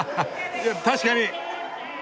いや確かに！